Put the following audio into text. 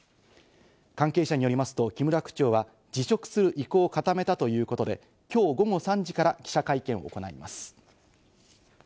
関係者によりますと木村区長は辞職する意向を固めたということで、きょう午後３時から記者会見を行います。